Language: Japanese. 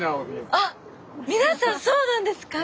皆さんそうなんですか？